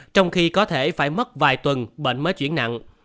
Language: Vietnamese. trong khi có thể phải mất vài tuần bệnh mới chuyển nặng